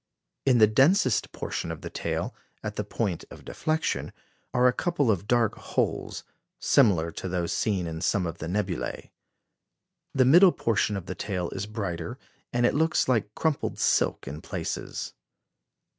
In the densest portion of the tail, at the point of deflection, are a couple of dark holes, similar to those seen in some of the nebulæ. The middle portion of the tail is brighter, and looks like crumpled silk in places."